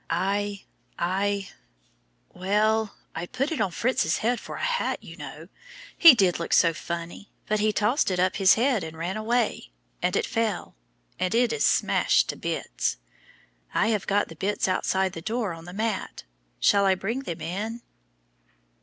I I well, I put it on Fritz's head for a hat, you know. He did look so funny, but he tossed up his head and ran away, and it fell, and it is smashed to bits. I have got the bits outside the door on the mat. Shall I bring them in?"